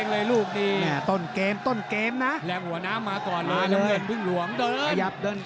พึ่งหลวงเดิน